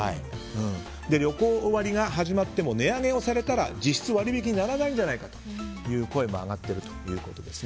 旅行割が始まっても値上げをされたら実質割引にならないじゃないかという声も上がっているということです。